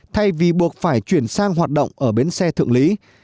thay vì buộc phải chuyển sang hoạt động ở bến xe thượng lý